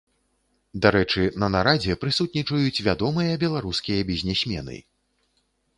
Дарэчы, на нарадзе прысутнічаюць вядомыя беларускія бізнесмены.